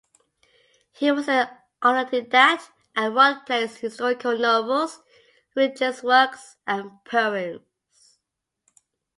He was an autodidact, and wrote plays, historical novels, religious works, and poems.